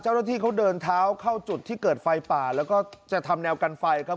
เจ้าหน้าที่เขาเดินเท้าเข้าจุดที่เกิดไฟป่าแล้วก็จะทำแนวกันไฟครับ